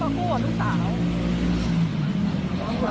ว่านักวิทยาศาสตร์ชอบเป็นนี่ค่ะ